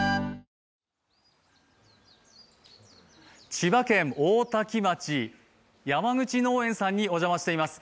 千葉県大多喜町、山口農園さんにお邪魔しています。